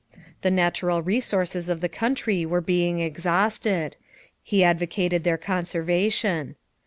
The natural resources of the country were being exhausted; he advocated their conservation.